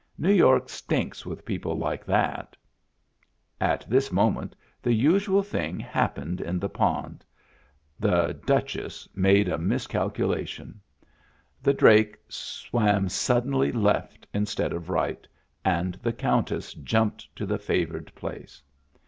New York stinks with people like that." At this moment the usual thing happened in the pond — the Duchess made a miscalculation, Digitizertby Google 3o6 MEMBERS OF THE FAMILY The drake swam suddenly left instead of right, and the Countess jumped to the favored place.